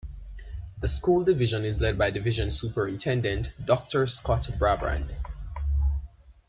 The school division is led by Division Superintendent Doctor Scott Brabrand.